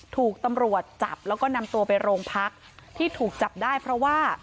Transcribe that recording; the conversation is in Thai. ถูกตำรวจจับแล้วก็นำตัวไปโรงพักที่ถูกจับได้เพราะว่า